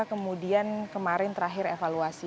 kemudian kemarin terakhir evaluasi